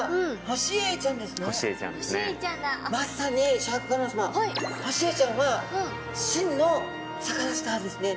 ホシエイちゃんは真のサカナスターですね。